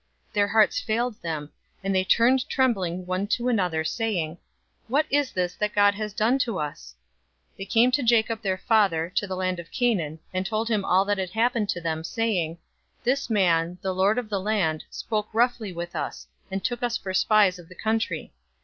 Their hearts failed them, and they turned trembling one to another, saying, "What is this that God has done to us?" 042:029 They came to Jacob their father, to the land of Canaan, and told him all that had happened to them, saying, 042:030 "The man, the lord of the land, spoke roughly with us, and took us for spies of the country.